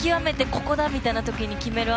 ここだ！みたいなときに決める